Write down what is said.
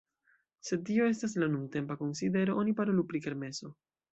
Se tio estas la nuntempa konsidero oni parolu pri kermeso.